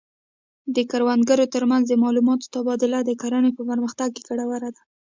د کروندګرو ترمنځ د معلوماتو تبادله د کرنې په پرمختګ کې ګټوره ده.